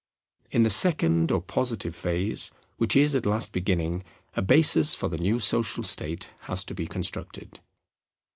In the second or positive phase, which is at last beginning, a basis for the new social state has to be constructed.